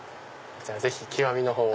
ぜひ「極み」のほうを。